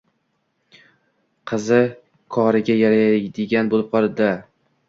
Qizi koriga yaraydigan boʻlib qoldi!